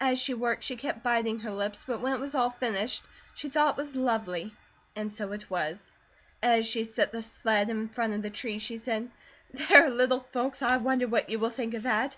As she worked she kept biting her lips, but when it was all finished she thought it was lovely, and so it was. As she set the sled in front of the tree she said: "There, little folks, I wonder what you will think of that!